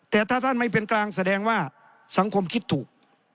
แต่ถ้าท่านไม่เป็นกลางแสดงว่าสังคมคิดถูก